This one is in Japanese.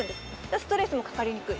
ストレスもかかりにくい。